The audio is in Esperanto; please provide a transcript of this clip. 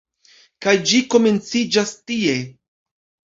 Kaj ĝi komenciĝas tie.